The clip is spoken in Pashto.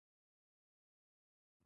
خپله ډوډۍ سرلوړي ده.